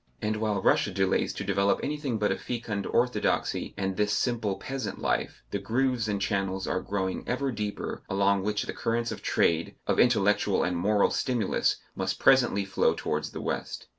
And while Russia delays to develop anything but a fecund orthodoxy and this simple peasant life, the grooves and channels are growing ever deeper along which the currents of trade, of intellectual and moral stimulus, must presently flow towards the West.